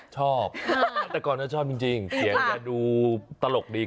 ชอบนักศักดิ์กรชชอบจริงเสียงแค่ดูตลกดี